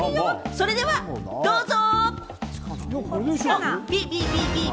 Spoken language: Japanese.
それではどうぞ！